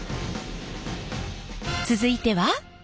続いては。